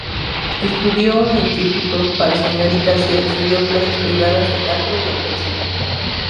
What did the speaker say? Estudió en un instituto para señoritas y recibió clases privadas de canto y actuación.